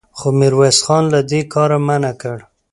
خو ميرويس خان له دې کاره منع کړ.